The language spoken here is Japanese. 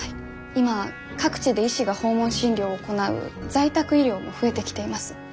今各地で医師が訪問診療を行う在宅医療も増えてきています。